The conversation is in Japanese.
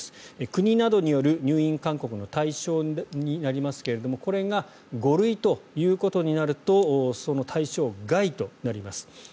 国などによる入院勧告の対象になりますがこれが５類ということになるとその対象外となります。